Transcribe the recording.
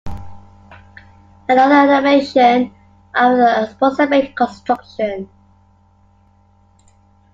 Another animation of an approximate construction.